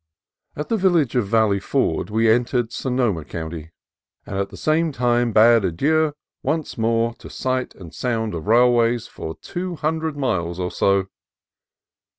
At the village of Valley Ford we entered Sonoma County, and at the same time bade adieu once more DRAB AND BLUE 257 to sight and sound of railways for two hundred miles or so.